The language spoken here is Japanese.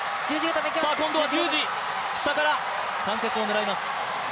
今度は十字、下から関節を狙います。